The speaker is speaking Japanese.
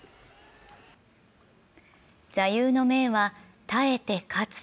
座右の銘は「耐えて勝つ」。